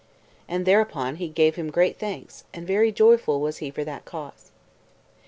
And thereupon he gave him great thanks, and very joyful was he for that cause.